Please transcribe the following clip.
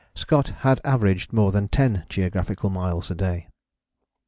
Scott had averaged more than ten geographical miles a day.